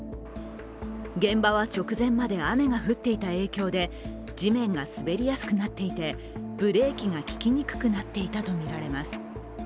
現場は直前まで雨が降っていた影響で地面が滑りやすくなっていて、ブレーキが効きにくくなっていたとみられます。